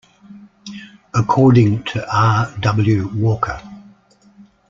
According to R. W. Walker.